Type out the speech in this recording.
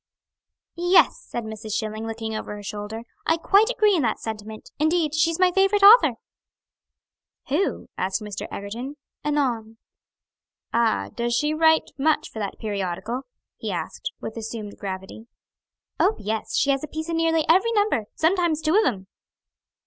"Yes," said Mrs. Schilling, looking over her shoulder, "I quite agree in that sentiment. Indeed, she's my favorite author." "Who?" asked Mr. Egerton. "Anon." "Ah! does she write much for that periodical?" he asked, with assumed gravity. "Oh, yes, she has a piece in nearly every number; sometimes two of 'em."